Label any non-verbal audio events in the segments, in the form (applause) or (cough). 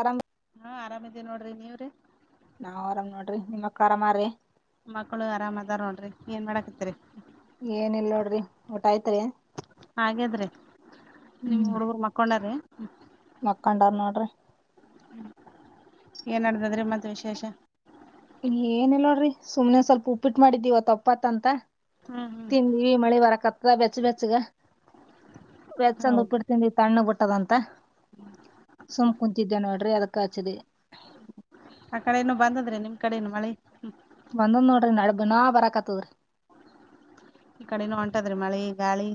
ಆರಂ (inaudible) ಹಾ, ಆರಾಮಿದೇವು ನೋಡ್ರಿ ನೀವ್ರೀ ನಾವ್ ಆರಾಮ್ ನೋಡ್ರಿ. ನಿಮ್ ಅಕ್ಕ ಆರಾಮಾರಿ ಮಕ್ಕಳು ಆರಾಮ್ ಅದಾರ್ ನೋಡ್ರಿ ಏನ್ ಮಾಡಾಕತ್ತಿರಿ. ಏನ್ ಇಲ್ ನೋಡ್ರಿ ಊಟ ಆಯ್ತ್ರಿ. ಆಗದ್ರಿ ನಿಮ್ ಹುಡುಗುರು ಮಕ್ಕೊಂಡಾರ್ರಿ. ಮಕ್ಕಾಂಡಾರ್ ನೋಡ್ರಿ, ಹ್ಮ್, ಏನ ನಡದದ್ರಿ ಮತ್ತೆ ವಿಶೇಷ ಏನ್ ಇಲ್ಲರಿ ಸುಮ್ನೆ ಸ್ವಲ್ಪ ಉಪ್ಪಿಟ್ಟು ಮಾಡಿದ್ದೀವ ವಪ್ಪಾತ್ ಅಂತ. ಹ್ಮ್, ಹ್ಮ್ ಈ ಮಳಿಗಾಲ ಕತ್ದ ಬೆಚ್ಚ ಬೆಚ್ಚುಗ ಬೆಚ್ಚಂದ ಹೌದ್ರಿ ಉಪ್ಪಿಟ್ ತಿಂದಿ- ತಣ್ಣಗ ಬಿಟ್ಟದಂತ ಸುಮ್ ಕುಂತಿದ್ದೆ ನೋಡ್ರಿ ಅದಕ್ಕ ಹಚ್ಚಿದೆ. ಆ ಕಡೆೇನು ಬಂದದ್ರೆ ನಿಮ್ ಕಡೇನು ಮಳಿ. ಬಂದ ನೋಡ್ರಿ (unintelligible) ದಿನಾ ಬರಾಕತ್ತದ್ರಿ. ಈ ಕಡೆನೂ ಹೊಂಟಾದ್ರಿ ಮಳಿ, ಗಾಳಿ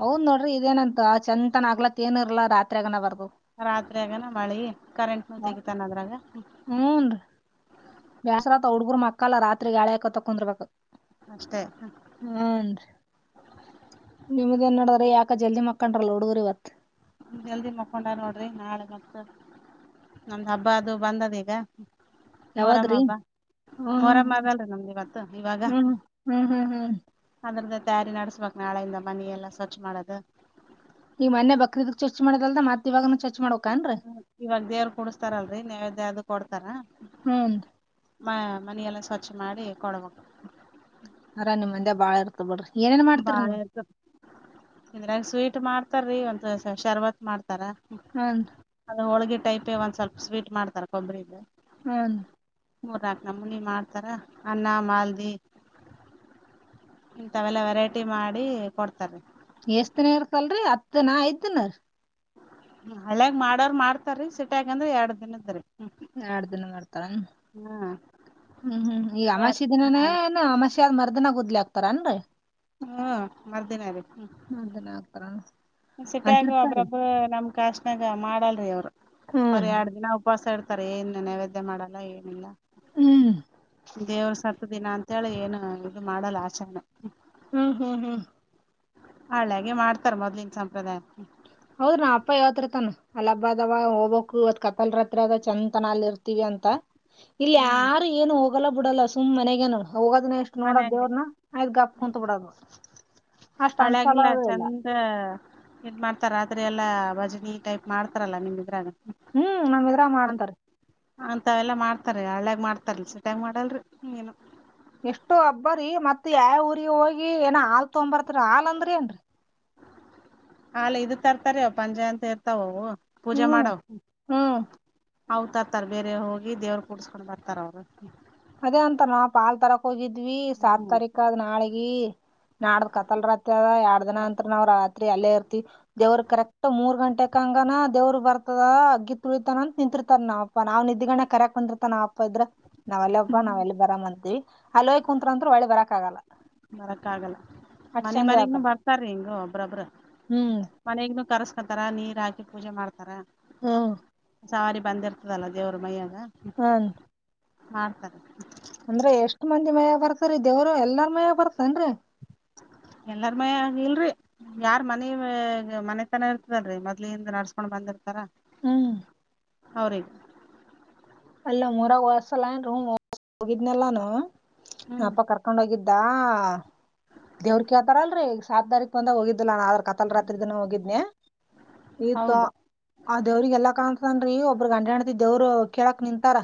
ಹೌದ್ ನೋಡ್ರಿ ಇದೇನಂತ ಆ ಚಂತನ ಹಗ್ಲೊತ್ತೇನ್ ಇರ್ಲಾರ ರಾತ್ರಿಯಾಗನ ಬರ್ತದ. ರಾತ್ರಿಯಾಗನ ಮಳಿ ಕರೆಂಟ್ ನು ತೆಗಿತಾನ ಅದ್ರಾಗ. ಹೂನ್ ರಿ ಬ್ಯಾಸ್ರಾತ್ ಹುಡ್ಗರು ಮಕ್ಕಲ್ಲ ರಾತ್ರಿ ಗಾಳಿ ಹಾಕೊಂತ ಕುಂದ್ರರ್ಬೇಕು. ಅಷ್ಟೇ, ಹ್ಮ್, ರಿ ನಿಮ್ದು ಎನ್ ನಡದ್ರಿ ಯಾಕ ಜಲ್ದಿ ಮಕ್ಕಂಡ್ರಲ್ಲ ಹುಡುಗರು ಇವತ್. ಜಲ್ದಿ ಮಕೊಂಡರ ನೋಡ್ರಿ ನಾಳೆ ಮತ್ತ ನಮ್ದ್ ಹಬ್ಬ ಅದು ಬಂದದ ಈಗ. ಮೊರಮ್ಮ ಯಾವದ್ರಿ? ಹಬ್ಬ ಹ್ಮ್ ಮೊರಮ್ಮ ಹಾದಲ್ರಿ ನಮ್ಗೆ ಇವತ್ತು ಇವಾಗ. ಹ್ಮ್ ಹ್ಮ್ ಹ್ಮ್ ಹ್ಮ್ ಹಾಗಾದ್ರ ತಯಾರಿ ನಡೆಸ್ಬೇಕ್ ನಾಳೆಯಿಂದ ಮನೆ ಎಲ್ಲಾ ಸ್ವಚ್ಛ ಮಾಡುವುದು. ಈಗ ಮೊನ್ನೆ ಬಕ್ರೀದಕ್ ಚೊಚ್ಚಮಾಡದಲ್ದ ಮತ್ತ್ ಇವಾಗನ ಚೊಚ್ಚಿ ಮಾಡಕನ್ರಿ. ಹ್ಮ ಇವಾಗ ದೇವ್ರು ಕುಡಸ್ತಾರಲ್ರ ರಿ ನೈವ್ದೆ ಕೊಡ್ತಾರ. ಹ್ಮ್, ಮ ಮನೆಯೆಲ್ಲ ಸ್ವಚ್ ಮಾಡಿ ಕೊಡಬೇಕ. ಅದರಾಗ ನಿಮ್ಮ್ ಮಂದಿ ಗ್ ಬಾಳ ಇರ್ತ ಬಿಡ್ರಿ ಏನೇನ್ ಮಾಡ್ತೀರಿ ಬಾಳ ನೀವು. ಇದ್ರಾಗ ಸ್ವೀಟ್ ಮಾಡ್ತಾರೀ ಒಂದ್ ಶರಬತ್ ಮಾಡ್ತಾರ. ಹ್ಮ್, ನರ್ರಿ ಅದು ಹೋಳ್ಗೆಟೈಪೇ ಒಂದ್ ಸ್ವಲ್ಪ ಸ್ವೀಟ್ ಮಾಡ್ತಾರ ಕೊಬ್ಬರಿ ದು. ಹ್ಮ್ ಮೂರ್ನಾಲ್ಕು ನಮುನಿ ಮಾಡ್ತಾರ ಅನ್ನ ಮಾಲ್ದಿ. ಇಂತವೆಲ್ಲ ವೆರೈಟಿ ಮಾಡಿ ಕೊಡ್ತಾರೀ‌ ಎಏಷ್ಟ್ ದಿನ ಇರ್ಕಲ್ರರಿ ಹತ್ತ್ ದಿನ ಐದ್ ದಿನ ರೀ ಹ್ಮ ಅಲ್ಯಗ್ ಮಾಡೋರ್ ಮಾಡ್ತಾರೀ ಸಿಟ್ಟ್ಯಾಗಂದ್ರ ಎರಡ್ ದಿನದ್ರೀ. ಹ್ಮ್ ಎರಡ್ ದಿನ ಮಾಡ್ತಾರ ಹಾ ಹ್ಮ್ ಹ್ಮ್ ಈ ಎರಡ್ ಅಮಾಸಿ ದಿನ ದಿನಾನೇ ಏನ್ ಅಮಸಿ ಯ ಮರ್ದನಾಗ್ಗುದ್ಲಿ ಆಗ್ತ್ರೆನ್ರ ಹ್ಮ್ ಮರ್ದನ ರೀ ಹ್ಮ್ (unintelligible) ಸಿಟೆಗ ಅಂತಿರ್ತಾರಿ ಒಬ್ರಬ್ ನಮ್ ಕಾಸ್ನಾಗ ಮಾಡಲ್ರಿ ಅವರು ಹ್ಮ್ ಬರಿ ಎರಡ್ ದಿನ. ಉಪವಾಸ ಇಡ್ತಾರೆ ಏನ್ ನೈವೇದ್ಯ ಮಾಡಲ್ಲ ಏನಿಲ್ಲ ಹ್ಮ್ ದೇವ್ರ ಸತ್ತ ದಿನ ಅಂತಾ. ಅಂತೇಳಿ ಏನು ಇದು ಮಾಡಲ್ಲ ಆಚೆನೆ. ಹ್ಮ್ ಹ್ಮ್ ಹ್ಮ್. ಹಳ್ಳಾಗೆ ಮಾಡ್ತಾರ ಮೊದ್ಲು ಇನ್ನ ಸಂಪ್ರದಾಯಕ್ಕೆ. ಹೌದು ನಾ ಅಪ್ಪ ಯಾವತತ್ರ ತಾನಾ ಅಲ್ಲ ಹಬ್ಬದಾವ ಹೋಗ್ಬೇಕಕ್ ಇವತ್ತು ಕತ್ತಲ ರಾತ್ರಿ ಅದ್ ಚಂದ್ ತನ ಅಲ್ ಇರ್ತೀವಿ ಅಂತಾ ಇಲ್ಲಿ ಹ್ಮ್ ಯಾರು ಏನು ಹೋಗಲ್ಲ ಬಿಡಲ್ಲ ಸುಮ್ಮ್ ಮನೆಗನು ಹೋಗೋದ್. ಎಷ್ಟು ನೋಡೋ ಮನ್ಯಾಗೆ ದೇವ್ರನ ಆಯ್ ಗಾಪ್ ಕುಂತ ಬಿಡೋದ್. ಹಳ್ಳಿಗೆ ಎಲ್ಲಾ ಚಂದ್ ಇದದು ಮಾಡ್ತಾರ ಆದ್ರೆ ಎಲ್ಲ ಭಜನಿ ಟೈಪ್ ಮಾಡ್ತಾರಲ್ಲ ನಿಮ್ಮ ಇದ್ರಾಗ. ಹ್ಮ್ ನಮ್ ದ್ರ ಮಾಡ್ತಾರ್. ಅಂತ ಅವೆಲ ಮಾಡ್ತಾರೆ ಹಳ್ಳ್ಯಾಗ ಮಾಡ್ತರೆ ಸಿಟ್ಯಗ್ ಮಾಡಲ್ರಿ ಏನು ಎಷ್ಟು ಹಬ್ಬ ರೀ ಮತ್ ಯಾವ್ ಊರಿಗೆ ಹೋಗಿ ಏನ ಹಾಲ್ ತಗೊಂಬರ್ತ್ರ್ ಹಾಲ್ ಅಂದ್ರ್ ಏನ್ರೀ ಆಲೆ ಇದ್ ತರ್ತಾರೆವ್ ಪಂಜೆ ಅಂತ ಇರ್ತವವ್ ಪೂಜೆ ಹ್ಮ್ ಮಾಡಾವ್ ಹ್ಮ್. ಹೌನ್ ತರ್ತಾರ್ ಬೇರೆ ಹೋಗಿ ದೇವ್ರ್ ಕೂಡ್ಸ್ಕೊಂಡ್ ಬರ್ತಾರ್ ಅವ್ರ್ ಅದೇ ಅಂತ ನಾವ್ ಪಾಲ್ ತರಕ್ ಹೋಗಿದ್ವಿ ಹ್ಮ್ ಸತ್ಕಾರಿಕನಾಳಿಗಿ ನಾಡ್ದ ಕತ್ತಲ್ ರಾತ್ ಅದ ಎರಡ್ ದಿನ ಅಂತ್ರ್ ನಾವ್ ರಾತ್ರಿ ಅಲ್ಲೇ ಇರ್ತಿವ್ ದೇವ್ರ್ ಕರೆಕ್ಟ್ ಮೂರ್ ಗಂಟೆ ಕಂಗನ ದೇವ್ರ್ ಬರ್ತದ ಅಗ್ಗಿ ತುಳಿತನಂತ್ ನಿಂತಿರ್ತರ್ ನಾವ್ ಕ್ ನಾವ್ ನಿದ್ದಿಗಣ್ಗ್ ಕರಯಕ್ ಕುಂದಿರ್ತಾನ್ ನಾಬ್ ಪೆದ್ರ್ ನಾವ್ಲ್ಲಪ್ಪಾ (unintelligible) ನಾವ್ ಲ್ಲಿ ಬರಮ್ ಅಂತೀವಿ ಅಲ್ಲೋಯ್ ಕುಂತ್ರ್ ಅಂತ್ರ್ ಒಳಿ ಬರಕ್ ಆಗಲ್ಲ ಬರಕ್ ಆಗಲ್ಲ ಅಷ್ಟ್ ಮನಿ ಚಂದ ಮನಿಗ್ನು ಹೇಳ್ತಾರ ಬರ್ತಾರೀ ಹಿಂಗ ಒಬ್ರಬ್ರ್ ಹ್ಮ್ ಮನೆಗ್ನು ಕರ್ಸಕತರ ನೀರ್ ಹಾಕಿ ಪೂಜೆ ಮಾಡ್ತಾರ ಹಾಂ ಸವಾರಿ ಬಂದಿರ್ತದಲ ದೇವ್ರ್ ಮೈಯಾಗ ಹ್ಮ್ ಮಾಡ್ತಾರೆ ಅಂದ್ರೆ ಎಷ್ಟ್ ಮಂದಿ ಮಯ ಬರ್ತರ್ರೀ ದೇವ್ರ್ ಎಲ್ಲಾರ ಮಯ ಬರ್ತೇನ್ರಿ ಎಲ್ಲಾರ್ ಮಯ್ಯ ಆಗ್ ಇಲ್ರಿ ಯಾರ್ ಮನಿ ಮನೆತನ ಇರ್ತದಲ್ರಿ ಮೊದ್ಲಿಂದ ನಡ್ಸ್ಕೊಂಡ್ ಬಂದಿರ್ತರ ಹ್ಮ್ ಹೌ ಅವರಿಗೆ ಅಲ್ಲ ಮೂರಾಗ್ ವಸ್ಸಲ ನ್ ಹೋಗಿದ್ನಲ್ಲನ್ ನನ್ ಹ್ಮ್ ಅಪ ಕರ್ ಕೊಂಡ ಹೋಗಿದ್ದ ದೇವ್ರ್ ಕೇಳ್ತಾರಲ್ರಿ ಈಗ್ ಸಾತ್ ತಾರೀಕ್ ಬಂದಾಗ್ ಹೋಗಿದ್ವಲ ನಾರ್ ಕತಲ್ ರಾತ್ರಿ ದನ್ ಹೋಗಿದ್ನೇ ಈತ್ತು ಹೌದ ಆ ದೇವ್ರರಿಗೆಲ್ಲಾ ಕಾಣ್ತತನ್ ಒಬ್ರಗ್ ಗಂಡೆ ಹಣ್ತ ದೇವರು ಕೇಳಕ್ ನಿಂತಾರ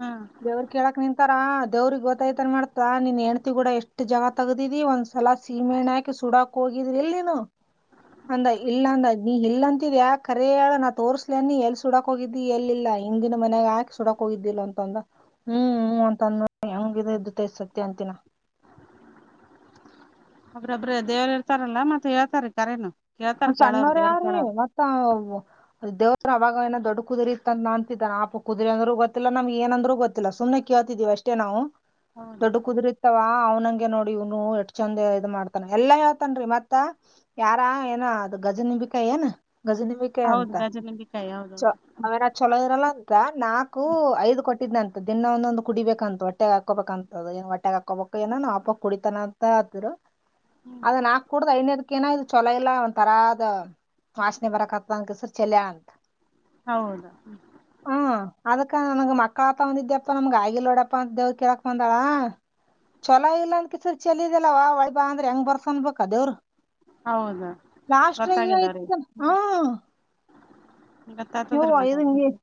ಹಾ ದೇವ್ರಿಗೆ ಕೇಳಕ್ ನಿಂತಾರಾ ದೇವ್ರಿಗೆ ಗೊತ್ತಾಯ್ತನ್ ಮಾಡತಾ ನೀನ್ ಹೆಂಡತಿ ಕೂಡ ಎಷ್ಟ ಜಗಳ ತಗ್ದಿದಿ ಒಂದ್ ಎಲಾ ಸೀಮೆಣ್ಣೆ ಹಾಕಿ ಸುಡಕ ಹೋಗಿದ್ರಿ ಇಲ್ ನೀನು ಅಂದ ಇಲ್ಲ ಅಂದ ನೀ ಇಲ್ಲಂತಿದ್ ಯಾ ಕರೆ ಹೇಳ ನಾ ತೋರ್ಸ್ಲೇ ನೀ ಎಲ್ ಸುಡಕ್ ಹೋಗಿದ್ದಿ ಎಲ್ಲಿಲ್ಲಾ ಹಿಂದಿನ ಮನ್ಯಾಗ ಹಾಕಿ ಸುಡಕ್ ಹೋಗಿದ್ದಿಲ್ಲ ಅಂತಂದ ಹ್ಮ್ ಅಂತಂದೋ ಹಂಗಿದ ಇದ್ದ ತ ಸತ್ಯ ಅಂತಿನ ಒಬ್ರೊಬ್ರ ದೇವರು ಇರ್ತಾರಲ್ಲ ಮತ್ತೆ ಹೇಳ್ತಾರ ಕರೇನು ಕೇತಾರ ಕೇಳೋರ ದೇವರು ಕೇಳೋರು (unintelligible) ಅ ದೇವ್ರು ಅವಾಗ ಏನ್ ದೊಡ್ಡ ಕುದುರಿ ಇತ್ತ ಅಂತ ಅಂತಿದ್ದಾನ ನಾಪ್ಪ ಕುದುರಿ ಅಂದ್ರರು ಗೊತ್ತಿಲ್ಲ ನಮಗೆ ಏನಂದ್ರು ಗೊತ್ತ ಸುಮನೆ ಕೇತಿದೀವಿ ಅಷ್ಟೇ ನಾವು ಹೌದು ದೊಡ್ಡ ಕುದುರೆ ಇತವಾ ಅವ್ನಂಗೆ ನೋಡಿ ಇವನು ಎಟ್ ಚಂದ ಇದ ಮಾಡ್ತಾನ ಎಲ್ಲಾ ಹೇಳ್ತನ್ರಿ ಮತ್ತ ಯಾರ ನಾ ಅದು ಗಜನಿಂಬಿಕಾಯ ಏನ ಗಜನಿಂಬಿಕಾಯಿ ಹೌದ್ ಅಂತ ಗಜನಿಂಬಿಕಾಯಿ ಹೌದೌದು ಅವೇರ್ ಚಲೋ ಇರಲ್ಲ ಅಂತ ನಾಲ್ಕು ಐದ್ ಕೊಟ್ಟಿದ್ನಂತ ದಿನ ಒಂದೊಂದು ಕುಡಿಬೇಕಂತ ಹೊಟ್ಟೆಯಾಗ ಹಾಕೋಬೇಕಂತ ಎನ್ ಹೊಟ್ಟೆಯಾಗ ಹಾಕೋಬೇಕ ಏನೋ ನಮ್ ಅಪ್ಪ ಕುಡಿತನಂತ ಅಂತಿ ಹ ಹ್ಮ್ ಅದ ನಾಕ್ ಕುಡ್ದ ಐ್ನದ ಏನ ಇದು ಚಲೋ ಇಲ್ಲಾ ತರದ ವಾಶನೆ ಬರಕತ್ತನ್ ಕೆಸ ಚೇಲ್ಯಾಳ ಅಂತ ಹೌದ ಹಾ ಅದಕ್ಕ ನನ್ಗ್ ಮಕ್ಕಳ ಆತ ಒಂದಿದ್ದ್ಯಪ್ಪ ನಮ್ಗ ಆಗಿಲ್ಡಪ್ಪಾ ಅಂತ ದೇವ್ ಕೇಳಕ್ ಬಂದಾಳ ಚೊಲ ಇಲ್ಲ ಅಂದಕೆಸರಿ ಚೆಲ್ಲಿದೇಲ್ ಅಲ್ಲವಾ ಹೋಳಿ ಬಾ ಅಂದ್ರೆ ಹೆಂಗ ಬರ್ತಂದ ಅನಬೇಕ್ ದೇವ್ರು ಹೌದಾ ಲಾಸ್ಟ್ರಗ ಇಲ್ಲೇ ಇತ್ತು ಹ ಗೊತ್ತಾತದ್ರಿ ಯವ್ವ ಮತ್ (unintelligible)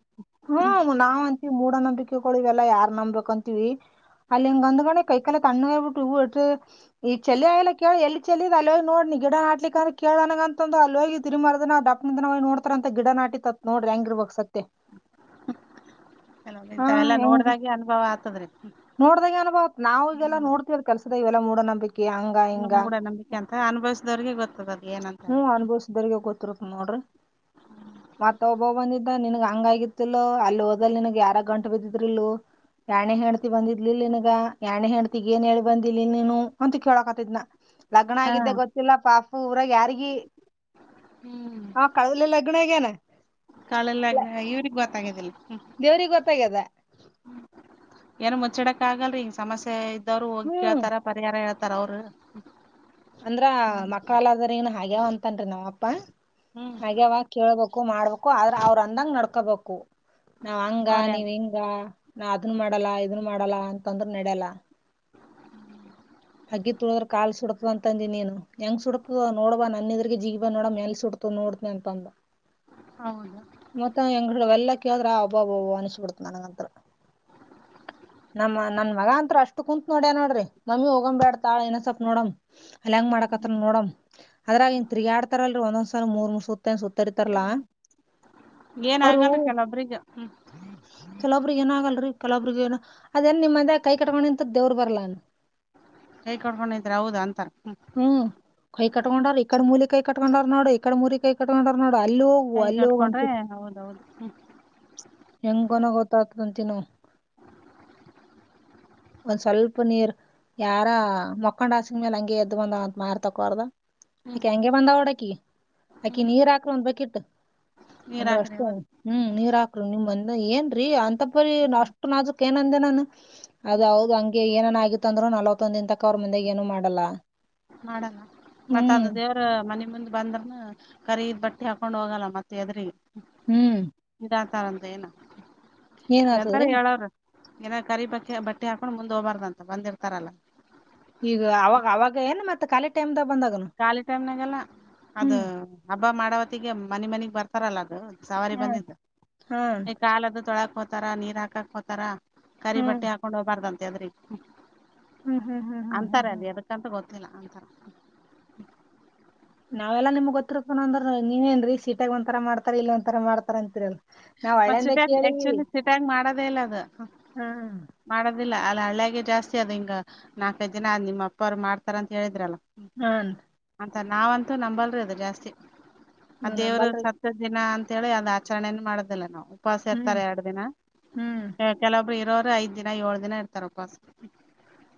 ಹ್ಮ್ ನಾವ್ಂತೀ ಮೂಢ ನಂಬಿಕೆಗಳು ಇವೆಲ್ಲಾ ಯಾರ್ ನಂಬೆಕ್ಂತೀವಿ ಅಲ್ಲ ಇಂಗ ಅಂದುಕೊಂಡ ಕೈಕಾಲ ತಣ್ಣಗ ಆಗಿ ಬಿಟ್ಟು ಹೂಟ್ಟು ಈ ಚೇಲಿಯಾಳಲ್ಲ ಕೇಳ ಎಲ್ಲಿ ಚೆಲ್ಲಿದ ಅಲ್ಲಿಹೋಗಿ ನೋಡ್ನಿ ಗಿಡಾನಾಟ್ಲಿಕ ಅಂದ್ರ ಕೇಳೋಣಗ ಅಂತಂದು ಅಲ್ಲೋಗಿ ತಿರಿಗ ಮರದಿನ ದಪ್ಪ ದ ನ ನೋಡ್ತಾರ ಅಂತ ಗಿಡ ನಾಟಿತತ್ ನೋಡ್ರಿ ಹೆಂಗಿರ್ಬಕ್ ಸತ್ಯ ಕೆಲವ ಹಾ ಇಂತವೆೆಲ್ಲ ಹೆಂಗ್ ನೋಡ್ದಾಗೆ ಅನುಭವ ಆತದ್ರೀ ನೋಡ್ದಾಗ ಅನುಭವತವ ಈಗೆಲ್ಲ ನೋಡ್ತತಿವ್ರ ಕೆಲ್ಸದ ಈವೆಲ್ಲ ಮೂಡನಂಬಿಕೆ ಮೂಡನಂಬಿಕೆ ಅಂತ ಅನುಭವಸದವ್ರರಿಗೆ ಗೊತ್ತದ್ ಏನಂತಲ್ಲ ಇದರಿಗೆ ಗೊತ್ತರುತ್ತ ನೋಡ್ರರಿ ಮತ್ತ ಒಬ್ಬ ಬಂದಿದ್ದ ನಿನ್ನಗ ಹಂಗ ಆಗಿತಿಲ್ ಅಲ್ಲಿ ಹೋದಲ್ ನನ್ಗ್ ಯಾರಾಗ ಗಂಟ ಬಿದ್ದಿದ್ರಲ್ ಯಡನೆ ಹೆಂಡ್ತಿ ಬಂದಿದ್ಲಲ್ನ್ ಯಡನೆ ಹೆಂಡತಿಗ್ ಏನ್ ಹೇಳಿ ಬಂದಿಲಿ ನೀನು ಅಂತ ಕೇಳೋಕತಿದ್ನ ಲಗ್ನ ಹಾ ಆಗಿದ್ದೆ ಗೊತ್ತಿಲ್ಲ ಪಾಪು ಊರಾಗ ಯಾರಿಗಿ ಹ್ಮ್ ಕವಿಲೇ ಲಗ್ನ ಆಗ್ಯಾನ ಕಾಳಲ್ಲ ಇವ್ರಗ್ ಗೊತ್ತಾಗದಿಲ್ಲ ದೇವ್ರಿಗೆ ಗೊತ್ತಾಗ್ಯದ ಏನ ಮುಚ್ಚಡಕ್ ಆಗಲ್ರರಿ ಹಿಂಗ್ ಸಮಸ್ಯೆ ಇದ್ದವ್ರು ಹೋಗಿ ಹ್ಮ್ ಕೇಳ್ತಾರ ಪರಿಹಾರ ಹೇಳ್ತಾರ ಅವರು ಅಂದ್ರ ಮಕ್ಕಳಾಗದವ್ರೀಗಿ ಹಾಗ್ಯಾವ ಅಂತನ್ರಿ ನಮ ಅಪ್ಪಾ ಹ್ಮ್ ಹಾಗ್ಯಾವ ಕೇಳ್ಬೇಕು ಮಾಡ್ಬೇಕು ಆದ್ರ ಅವ್ರ ಅಂದಂಗ ನಡ್ಕೊಬೇಕು ನಾವ್ ಹಂಗ ಅವ್ರೇ ನೀವ್ ಹಿಂಗ ಹಾ ನಾ ಅದನ್ ಮಾಡಲ್ಲ ಇದನ್ ಮಾಡಲ್ಲ ಅಂತಂದ್ರ ನಡ್ಯಲ್ಲ ಅಗ್ನಿ ತುಳದರೆ ಕಾಲು ಸುಡುತ್ತದೆ ಅಂತ ಅಂದಿ ನಿ ಏಂಗ ಸುಡುತ್ತಿದ ನೋಡುಬ ನನ್ನೆದುರಿಗೆ ಜಿಗಿಬಾ ನೋಡಮ್ಮ ಏಂಗ ಸುಡುತದ ನೋಡ್ತೀನ್ ಅಂತ ಅಂದ ಹೌದು ಮತ್ತ ಹೆಂಗ್ಡ ಎಲ್ಲಾ ಕೇಳಿದ್ರೆ ಆಬ್ಬಬ್ಬಬ್ಬ ಅನಸ್ಬಿಡತ ನನಂಗಂತತ್ರ ನಮ್ಮ ನನ್ ಮಗ ಅಂತ್ ಅಷ್ಟು ಕುಂತತ್ ನೋಡ್ಯ ನೋಡ್ರಿ ನಮಿ ಹೋಗಂಬ ಬ್ಯಾಡ್ತಾತಾಳ ಇನ ಸ್ವಲ್ಪ ತಾಳ ನೋಡಮ ಅಲ್ಲ ಹೆಂಗ ಮಾಡಕತ್ ನೋಡ ಅದ್ರಾಗ ಇನ್ ತಿರುಗಾಡ್ತಾರಲ್ರರಿ ಒಂದೊಂದ್ಸಲ್ ಮೂರ್ ಮೂರ್ ಸುತ್ತ ಸುತ್ತರಿತಾರಲ ಏನ್ ಅವರು ಆಗಲ್ರಿ ಕೆಲವೊಬ್ರಿಗೆ ಹ್ಮ್ ಕೆಲವರಿಗೆ ಏನಾಗಲ್ಲ ರೀ ಕೆಲವೊಬ್ಬರಿಗೆ ಅದೇ ನಿಮ್ಮದೇ ಕೈ ಕೊಟ್ಕೊಂಡು ನಿಂತರ ದೇವ್ರ್ ಬರಲ್ಲ ಕೈಕೊಟ್ಕೊಂಡ್ ನಿಂತರ ಹೌದ ಅಂತ ಹ್ಮ್ ಕೈ ಕಟ್ಕೊಂಡಾರ ಇಕಡ ಮೂಲಿ ಕೈ ಕಟ್ಕೊಂಡಾರ ನೋಡು ಇಕಡೆ ಮೂರಿ ಕೈ ಕಟ್ಕೊಂಡಟರ್ ನೋಡು ಅಲ್ಲಿ ಹೋಗುವು ಕೈ ಅಲ್ಲಿ ಕಟ್ಕೊಂಡ್ರೆ ಹೋಗಂತ ಹೌದೌದು ಹ್ಮ್ ಹೆಂಗೊನ ಗೊತ್ತಾಗತದಂತ ನೋ ಒಂದ್ ಸ್ವಲ್ಪ ನೀರ್ ಯಾರ ಮಕ್ಕಂಡ್ ಹಸ್ಗ ಮೇಲೆ ಹಂಗೆ ಎದ್ದ್ ಬಂದ ಅಂತ ಮಾರ್ತಕೋರ್ದ ಹ್ಮ್ ಅಕಿ ಹಂಗಗೆ ಬಂದ ಅಕಿ ನೀರ್ ಹಾಕ್ಲು ಅನ್ಬೇಕಿತ್ತು. ನೀರಾಕ್ಕನೆ ಅದು ಹ್ಮ್ ನೀರ್ ಹಾಕ್ರಿ ನಿಮ್ಂದ ಏನ್ರೀ ಅಂತಪ್ಪರಿ ಅಷ್ಟು ನಾಜುಕ್ ಏನಂದೆ ನಾನು ಅದ ಹೌದು ಹಂಗೆ ಏನನ್ ಆಗಿತ್ತು ಅಂದ್ರು ನಲ್ವತ್ತೊಂದ್ ದಿನ ತಕ ಅವ್ರ ಮುಂದೆ ಏನು ಮಾಡಲ್ಲ. ಮಾಡಣ ಮತ್ತ ಅ ಹ್ಮ್ ಅದು ದೇವ ಮನೆ ಮುಂದ್ ಬಂದ್ರನ ಕರೀದ್ ಬಟ್ಟೆ ಹಾಕೊಂಡ್ ಹೋಗಲ್ಲ ಮತ್ತೆ ಎದ್ರಿಗೆ ಹ್ಮ್ ಇದರಾತಾರಂತ ಏನ ಏನ್ ಹೇಳ್ತಾರ ಆತದ್ರಿ ಹೇಳವ್ರ ಏನ ಕರಿ ಬಕ್ಕೆ ಬಟ್ಟೆ ಹಾಕೊಂಡು ಮುಂದ್ ಹೋಗಬಾರ್ದಂತ ಬಂದಿರ್ತಾರಲ್ಲಾ ಈಗ ಅವಾಗ ಅವಾಗ ಏನು ಮತ್ತೆ ಕಾಲಿ ಟೈಮ್ ದಾಗ್ ಬಂದಾಗ ಖಾಲಿ ಟೈಮ್ನಾಗಲ್ಲ ಅದು ಹಬ್ಬ ಮಾಡವತ್ತಗೆ ಮನಿ ಮನಿಗ್ ಬರ್ತ ತರಲ್ಲ ಅದು ಸವಾರಿ ಹ್ಮ್ ಬಂದಿದ್ದು ಹ್ಮ್ ಈ ಕಾಲದು ತೊಳಕ್ ಹೋತಾರ ನೀರ್ ಹಾಕಕ್ ಹೋತಾರ. ಕರಿ ಹ್ಮ್ ಬಟ್ಟೆ ಹಾಕೊಂಡು ಹೋಗ್ಬಾರ್ದಂತೆ ಅದ್ರಿ ಹ್ಮ್ ಹ್ಮ್ ಹ್ಮ್ ಹ್ಮ್ ಹ್ಮ್ ಅಂತಾರೆ ಅದ ಹ್ಮ್ (unintelligible) ಗೊತ್ತಿಲ್ಲ ಅಂತಾರ (unintelligible) ನಾವೆಲ್ಲಾ ನಿಮ್ಗ್ ತ್ತರ್ ಪ ಅಂದ್ರ ನೀವೇನ್ರೀ ಸೀಟಾಗ ಒಂರ ಮಾಡ್ತಾರ ಇಲ್ಲ ಒಂಥರ ಮಾಡ್ತಾರ ಅಂತಿರಲ್ಲ. ಮ ಸಿಟಿಯಾಗೇ ಆಕ್ಚುಲಿ ಸಿಟಿಯಾಗಿ ಮಾಡದೇ ಇಲ್ಲ ಅದ ಹ್ಮ್ ಮಾಡೋದಿಲ್ಲ ಅಲ್ಲ ಹಳ್ಳ್ಯಾಗ ಜಾಸ್ತಿ ಅದ್ ಹಿಂಗ ನಾಲ್ಕೈದು ದಿನ ನಿಮ್ಮ ಅಪ್ಪ ಅವ್ರು ಮಾಡ್ತಾರ ಅಂತ ಹೇಳಿದ್ರಲ್ಲ. ಹ್ಮ ಅಂತ ನಾವಂತೂ ನಂಬಲ್ರರಿ ಅದು ಜಾಸ್ತಿ ಅ ನೀವ್ ದೇವರು ಸ ನಂಬಲ್ರಿ (unintelligible) ದಿನ ಅಂತೇಳಿ ಅದ ಆಚರಣೆನ ಮಾಡುದಿಲ್ಲ ನಾವು ಉಪವಾಸ ಹ್ಮ್ ಇರ್ತಾರೆ ಎರಡು ದಿನ ಹ್ಮ್ ಕೆಲೊಬ್ರು ಇರೋರು ಐದ ದಿನ ಏಳು ದಿನ ಇರ್ತಾರಪ್ಪ ಉಪವಾಸ.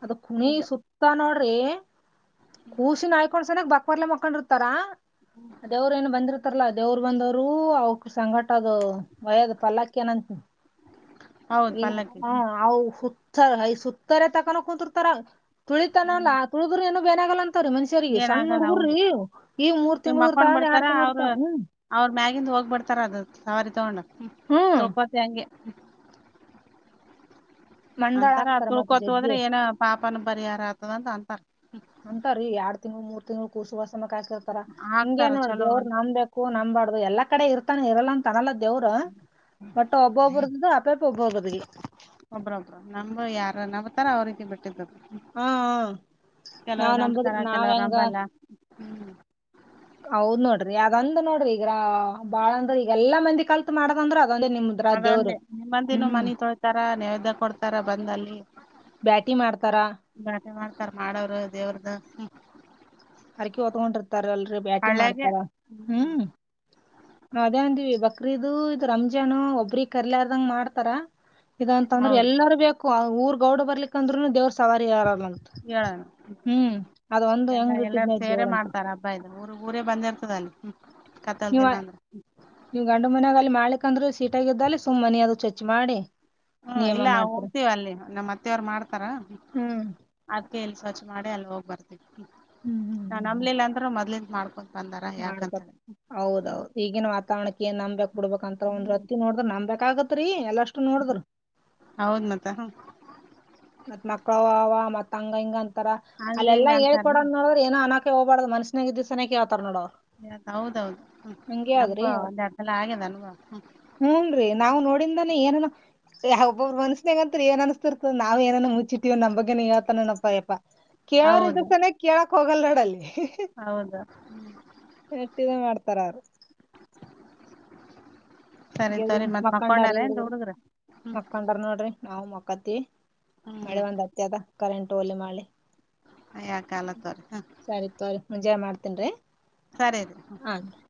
ಅದ ಕುಣಿ ಹಿಂಗ ಸುತ್ತ ನೋಡ್ರಿ ಸಿನ ಹಯ್ಕೊಂಡ್ ಸನಕ್ ಬಕ್ ಬರ್ಲ ಮಕ್ಕೊಂಡರ್ ತರ (unintelligible) ದೇವ್ರ ಏನು ಬಂದಿರ್ತಾರಲ್ಲಾ ದೇವ್ರರು ಬಂದವರು ಅವ ಸಂಘಟ ಅದು ವಯದ್ ಪಲ್ಲಾಕ್ಕ ಏನಂತ ಹೌದ್ ಏ ಪಲ್ಲಕ್ಕಿ ಹ ಅ ಸುತ್ತಯ ಸುತ್ತರೆ ತಕಾನ ಕುಂತರ್ತಾರ ತುಳಿತನಲ್ಲ ಹ್ಮ್ ಹುಗು ಏನು ಬೇನಾಗಲ್ಲ ಅಂತಾರೆ ಸರಿ ಏನ್ ಸಣ್ಣ ಆಗಲ್ಲ ಹೌದು ಹುಡ್ಗುರ್ರಿ ಈ ಮೂರ್ ನೀವ್ ತಿಂಗಳ ಮಕ್ಕೊಂಡ್ ಇರ್ತಾವಂದ ಬಿಡ್ತಾರ ಎರಡ್ ತಿಂಗಳ ಅವ್ರ ಇರ್ತಾವ ಹ್ಮ ಅವ್ರ ಮ್ಯಾಗಿದ ಹೋಗ್ಬಿಡ್ತಾರ ಅದ ಸವಾರಿ ತಗೊಂಡ ಹ್ಮ್ ತೊಪತಿ ಹಂಗೆ ಮಂಡಾಳ ಅಂತಾರ ಹಾಕ್ತಾರ ಮತ್ ತೂಳ್ಕೋತ ಜಗ್ಗಿ ಹೋದ್ರೆ ಏನ ಪಾಪನ ಪರಿಹಾರ ಆಗ್ತದ ಅಂತ ಅಂತಾರ ಅಂತ ರೀ ಎರಡ್ ತಿಂಗಗಳು ಮೂರ್ ತಿಂಗಳು ಕೂರ್ ವಸಮ ಕಾಯಸಿ ಇರ್ತಾರ ಹಿಂಗೇಏ ಹಾಕ್ತಾರ ನೋಡ ಚಲೋ ದೇವ್ ಅಂತ ನಂಬ್ಬೇಕಕ್ ಅಕ್ಕು ನಂಬಾರಡ್ದು ಎಲ್ಲಾ ಕಡೆ ಇರ್ತಾನ ಇರಲ್ಲ ಅಂತ ತನಲ್ಲ ದೇವ್ರು ಬಟ್ ಒಬ್ಬೊಬ್ರದ (unintelligible) ಒಬ್ಬ್ರ ಒಬ್ಬ ನಮ್ ಯಾರ ನಾವತಾರ ಅವ ರೀತಿ ಬಿಟ್ಟಿದ್ದದರು. ಹಾ ಕೆಲವ್ರು ನಾವ್ ನಂಬುದ್ರ ನಂಬತಾರ ನಾವ್ ಕೆಲವ್ರು ಹೆಂಗ ನಂಬಲ್ಲ ಹ್ಮ್. ಹೌದ್ ನೋಡ್ರಿ ಅದಂದ ನೋಡ್ರಿ ಈಗ್ರ ಬಾಳ ಅಂದ್ರ ಈಗಲ್ಲಾ ಮಂದಿ ಕಲ್ತ್ ಮಾಡದಂದ್ರ ಅದೊಂದೇ ನಿಮ್ದ. ಅದೊಂದೆ ನಿಮ್ಮಂದಿನೂ ಮನಿ ತೊಳ್ತಾರ ನೇವ್ದ ಕೊಡ್ತಾರ ಬಂದಲ್ಲಿ. ಬ್ಯಾಟಿ ಮಾಡ್ತಾರಾ. ಬ್ಯಾಟಿ ಮಾಡ್ತಾರ ಮಾಡವರು ದೇವ್ರದ್ದ ಹ್ಮ. ಹರಕಿ ಹೊತ್ಗೊಂಡಿರ್ತಾರ ಅಲ್ರರಿ ಬ್ಯಾಟಿ ಮಾಡ್ತಾರ ಹ್ಮ್. ಅದೇ ಅಂದಿವವಿ ಬಕ್ರೀದು ಇದು ರಂಜಾಾನ ಒಬ್ಬ್ರಿಗೆ ಕರ್ಲಾರದಂಗ ಮಾಡ್ತಾರ. ಇ ಅಂತ ಅಂದ್ರೆ ಹೌದ್ ಎಲ್ಲಾರ ಬೇಕು ಊರ್ ಗೌಡ್ ಬರ್ಲಿಕ್ಕಂದ್ರು ದೇವ್ರ ಸವಾರಿ ಯಾರಲ್ಲಂತ. ಹೇಳೋಣ ಹ್ಮ್ ಅದು ಒಂದು ಎಂಗ ಎಲ್ಲಾರ ಸೇರೆೇ ಮಾಡ್ತಾರ ಹಬ್ಬ ಇದ್ ಊರ್ ಊರೇ ಬಂದಿರ್ತದ ಅಲ್ಲಿ ಹ್ಮ ಕತ್ತಲ ದಿನ ಅಂದ್ರ. ನೀವು ಗಂಡು ಮನ್ಯಾಗ ಅಲ್ಲಿ ಮಾಡ್ಲಿಕ್ಂದ್ರರು ಸೀಟಾಗ್ದಲ್ಲಿ ಸುಮ್ಮ್ ಮನಿ ಅದು ಚೆಚ್ ಮಾಡಿ. ಹ್ಮ ನಿಯಮ ಇಲ್ಲ ಮಾಡ್ತಾರ ಹೋಗ್ತೀವ ಅಲ್ಲಿ ನಮ್ಮ ಅತ್ತೆವರು ಮಾಡ್ತಾರ. ಹ್ಮ್ ಅದ್ಕ ಎಲ್ಲಿ ಸ್ವಚ್ ಮಾಡಿ ಅಲ್ಲಿ ಹೋಗ್ ಬರ್ತವಿ ಹ್ಮ್ ಹ್ಮ್ ನ ಹ್ಮ್ ನಮ್ಲಿ ಇಲ್ಲ ಅಂದ್ರರು ಮೊದ್ಲಿಂದ ಮಾಡ್ಕೊ ಬಂದಾರ ಯಾಕಂತ ಮಾಡ್ತಾರ. ಹೇಳ ಹೌದೌದ್ ಈಗಿನ ವಾತಾವರಣಕ್ಕೆ ನ್ ನಂಬೆಕ್ ಬಿಡ್ಬಬೇಕಕ್ಂತ ಒ್ ಹ್ಮ್ ರತ್ತ ನೋಡಿದ್ರ್ ನಂಬ್ಬೇಕಕ್ಗತ್ ರಿ ಎಲ್ಲಷ್ಟು ನೋಡದ್ರ್. ಹೌದ ಮತ್ತ ಹ. ಮತ್ತ್ ಮಕ್ಳ ಅವ ಮತ್ ಹಂಗ ಹಿಂಗ್ ಅಂತಾರ ಹಂಗ ಹಿಂಗ ಅಲ್ಲೆಲ್ಲಾ ಹೇಳ್ಕೊಡ ಅಂತಾರ್ರಿ ನೋಡ. ಏನ ಅನಾಕ ಹೋಗಬಾರ್ದ ಮಸ್ಸನಾಗ ಇದ್ ಸನಕ ಹಳ್ತಾರ ನೋಡ ಹೌದೌದು ನಮ್ಗ ಒಂದ್ ಎರ್ಡು ಸಲ ಆಗ್ಯದ ಅನುಭವ ಹ್ಮ. ಹ್ಮಞೂ ರೀ ನಾವು ನೋಡಿದಾನೇ ಏನ ಯ ಒಬ್ಬರು ಮನ್ಸ್ಸಬೇಕೇಗಂತರಿ ಏನ್ ಅನಿಸಸ್ತಿರ್ತ. ನಾವ್ ಏನನು ಮುಚ್ಚಿಟ್ಟಿವ ನಮ್ಗ್ಗೆನ ಹೇಳ್ತಾನಪ್ಪಯಪ್ಪಾ ಕೇಳೋರಿದ್ದ. ಹೌದು ಕೇಳಕ್ ಹೋಗಲ್ ನೋಡಲ್ಲಿ ಹೌದ ನಟ್ಟಗ ಮಾಡ್ತಾರ ಅವರು. ಸರಿ ತರಿ ಮತ್ತ್ ಮಕ್ಕೊಂಡಾರ ನ್ ಹುಡ್ಗ್ರ. ಮಕ್ಕಂಡ್ರ ನೋಡ್ರಿ ನಾವು ಮಕ್ಕತ್ತೀವಿ ಹ್ಮ್ ಮಳೆ ಒಂದ್ ಹತ್ತ ಅದ ಕರೆಂಟ್ ಹೋಗ್ಲಿ ಮಾಡ್ಲಿ. ಯಾ ಕಾಲತ್ವರ. ಸರಿ ತೋರಿ ಮುಂಜೆನೆ ಮಾಡ್ತೇನ್ ರೀ. ಸರೆ ರಿ. ಹಾನ್ರೀ.